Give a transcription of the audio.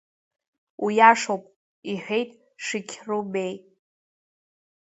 Уиашоуп, — иҳәеит Шиқьру Беи.